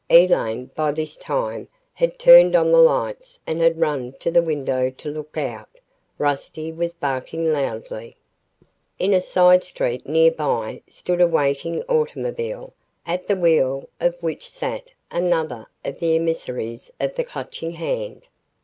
Elaine, by this time, had turned on the lights and had run to the window to look out. Rusty was barking loudly. In a side street, nearby, stood a waiting automobile, at the wheel of which sat another of the emissaries of the Clutching Hand.